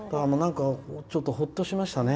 ちょっとほっとしましたね。